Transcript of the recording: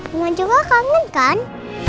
emak juga kangen kan